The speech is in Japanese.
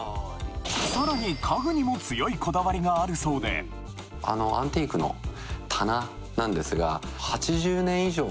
さらに家具にも強いこだわりがあるそうでアンティークの棚なんですが。